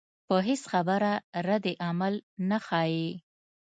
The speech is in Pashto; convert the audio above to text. پۀ هېڅ خبره ردعمل نۀ ښائي